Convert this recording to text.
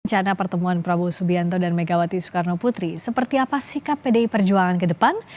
rencana pertemuan prabowo subianto dan megawati soekarno putri seperti apa sikap pdi perjuangan ke depan